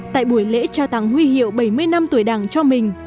tại buổi lễ trao tặng huy hiệu bảy mươi năm tuổi đảng cho mình